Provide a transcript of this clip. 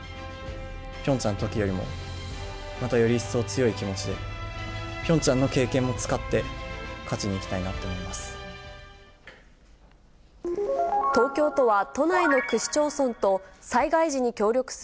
ピョンチャンのときよりも、またより一層強い気持ちで、ピョンチャンの経験も使って、勝ちにいきたいなと思います。